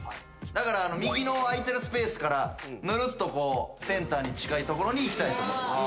だから右の空いてるスペースからぬるっとセンターに近い所にいきたいと思ってます。